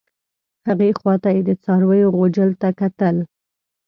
هغې خوا ته یې د څارویو غوجل ته کتل.